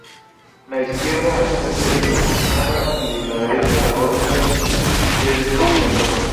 El ala izquierda, al ser desbordada y la derecha agobiada, se desconcertó.